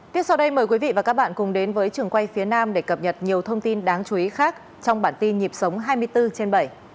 tiếp sau đây mời quý vị và các bạn cùng đến với trường quay phía nam để cập nhật nhiều thông tin đáng chú ý khác trong bản tin nhịp sống hai mươi bốn trên bảy